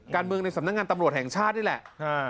การเมืองในสำนักงานตำรวจแห่งชาตินี่แหละ